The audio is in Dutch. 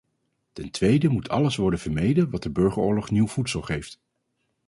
Ten tweede moet alles worden vermeden wat de burgeroorlog nieuw voedsel geeft.